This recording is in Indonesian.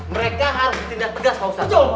mereka harus tindak begas ustadz